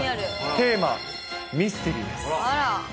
テーマはミステリーです。